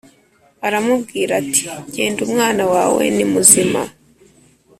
Aramubwira ati: “Genda umwana wawe ni muzima.